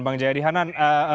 bang jayadi hanan